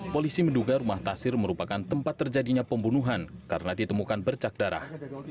polisi menduga rumah tasir merupakan tempat terjadinya pembunuhan karena ditemukan bercak darah